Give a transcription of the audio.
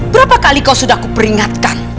berapa kali kau sudah aku peringatkan